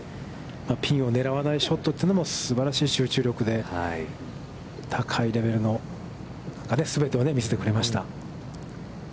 ピンを狙わないショットというのもすばらしい集中力で、高いレベルの中で全てを見せてくれました。